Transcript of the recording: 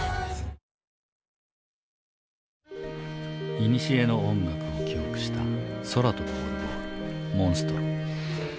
いにしえの音楽を記憶した空飛ぶオルゴール「モンストロ」。